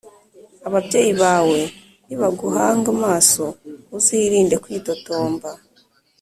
ababyeyi bawe nibaguhanga amaso uzirinde kwitotomba